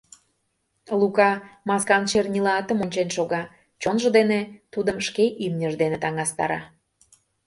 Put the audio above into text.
Лука маскан чернила атым ончен шога, чонжо дене тудым шке имньыж дене таҥастара.